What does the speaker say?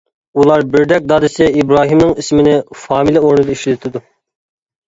ئۇلار بىردەك دادىسى ئىبراھىمنىڭ ئىسمىنى فامىلە ئورنىدا ئىشلىتىدۇ.